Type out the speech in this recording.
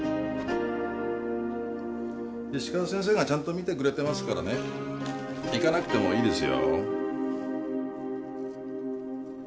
石川先生が診てくれてますから行かなくてもいいですよ